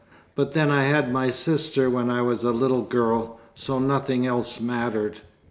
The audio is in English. But then I had my sister when I was a little girl, so nothing else mattered."